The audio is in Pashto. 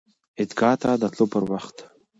عیدګاه ته د تللو پر وخت